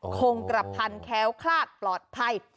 คงกระพันแค้วคลาดปลอดภัย